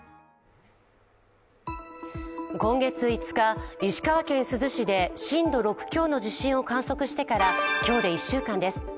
今月５日、石川県珠洲市で震度６強の地震を観測してから今日で１週間です。